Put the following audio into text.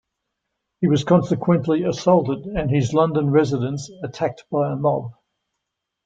He was consequently assaulted and his London residence attacked by a mob.